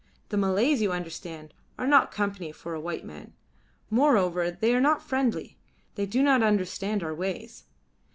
The Malays, you understand, are not company for a white man; moreover they are not friendly; they do not understand our ways.